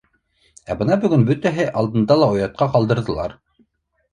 Ә бына бөгөн бөтәһе алдында ла оятҡа ҡалдырҙылар.